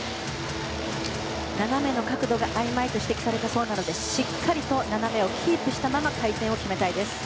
斜めの角度があいまいと指摘されたそうなのでしっかりと斜めをキープしたまま回転を決めたいです。